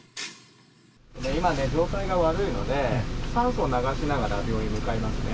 今、状態が悪いので、酸素を流しながら病院に向かいますね。